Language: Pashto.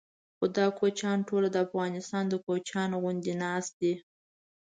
خو دا کوچیان ټول د افغانستان د کوچیانو غوندې ناست دي.